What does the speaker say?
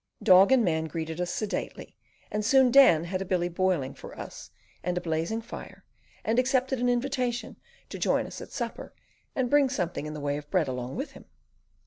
Dog and man greeted us sedately, and soon Dan had a billy boiling for us, and a blazing fire, and accepted an invitation to join us at supper and "bring something in the way of bread along with him."